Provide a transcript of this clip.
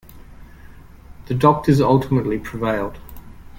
The doctors ultimately prevailed.